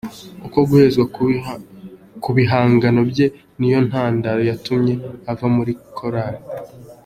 Uku guhezwa ku bihangano bye niyo ntandaro yatumye ava muri korali.